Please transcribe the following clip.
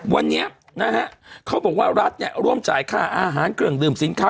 วันนี้นะฮะเขาบอกว่ารัฐเนี่ยร่วมจ่ายค่าอาหารเครื่องดื่มสินค้า